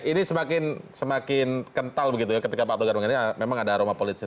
ini semakin kental begitu ya ketika pak togar mengatakan memang ada aroma politik